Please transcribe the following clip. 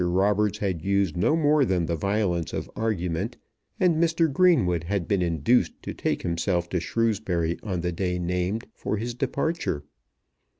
Roberts had used no more than the violence of argument, and Mr. Greenwood had been induced to take himself to Shrewsbury on the day named for his departure.